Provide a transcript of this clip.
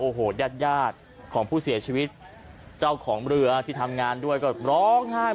โอ้โหญาติญาติของผู้เสียชีวิตเจ้าของเรือที่ทำงานด้วยก็ร้องไห้